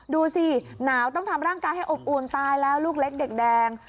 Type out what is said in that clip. ดูสิหนาวต้องทำร่างกายให้อบอุ่นตายแล้วลูกเล็กเด็กแดง